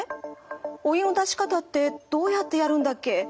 「お湯の出し方ってどうやってやるんだっけ？」。